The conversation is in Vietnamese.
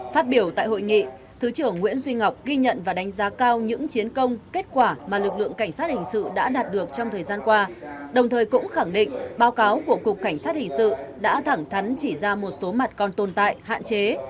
phát biểu tại hội nghị thứ trưởng nguyễn duy ngọc ghi nhận và đánh giá cao những chiến công kết quả mà lực lượng cảnh sát hình sự đã đạt được trong thời gian qua đồng thời cũng khẳng định báo cáo của cục cảnh sát hình sự đã thẳng thắn chỉ ra một số mặt còn tồn tại hạn chế